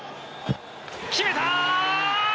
決めた！